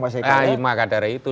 nah iya makadar itu